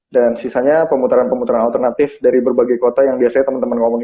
dan sisanya pemutaran pemutaran alternatif dari berbagai kota yang biasanya temen temen ngomong